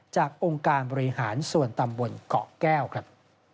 องค์การบริหารส่วนตำบลเกาะแก้วครับ